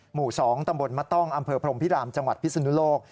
หมู่๒ตำบลมะต้องอำเภอพรมพิรามจังหวัดพิศนุโลก